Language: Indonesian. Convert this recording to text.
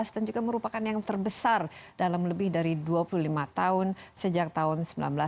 dan juga merupakan yang terbesar dalam lebih dari dua puluh lima tahun sejak tahun seribu sembilan ratus delapan puluh sembilan